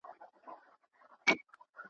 د مغرور عقل په برخه زولنې کړي ,